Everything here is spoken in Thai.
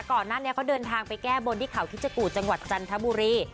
ก่อนหน้านี้เขาเดินทางไปแก้บนที่เขาคิดจกูจังหวัดจันทบุรี